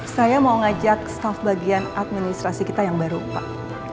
saya mau ngajak staff bagian administrasi kita yang baru pak